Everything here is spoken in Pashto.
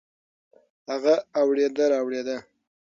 هغه اوړېده رااوړېده.